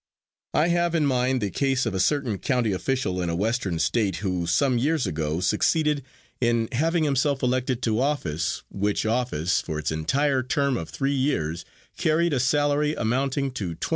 I have in mind the case of a certain county official in a western state, who, some years ago, succeeded in having himself elected to office, which office, for its entire term of three years, carried a salary amounting to $2,400.